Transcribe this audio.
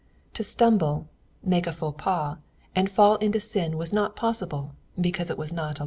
To stumble, make a faux pas, and fall into sin was not possible, because it was not allowed.